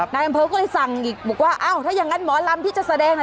นายอำเภอก็เลยสั่งอีกบอกว่าอ้าวถ้าอย่างนั้นหมอลำที่จะแสดง